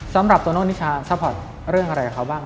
สำหรับโตโน่นิชาซัพพอร์ตเรื่องอะไรกับเขาบ้าง